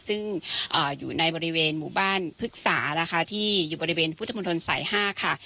ซึ่งอยู่ในบริเวณหมู่บ้านพฤกษานะคะที่อยู่บริเวณพุทธมนตรสาย๕ค่ะ